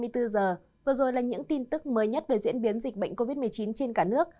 vừa rồi là những tin tức mới nhất về diễn biến dịch bệnh covid một mươi chín trên cả nước